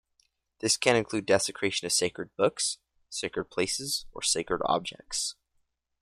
This can include desecration of sacred books, sacred places or sacred objects.